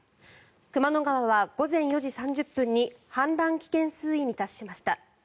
熊野川は午前４時３０分に氾濫危険水位に達しました。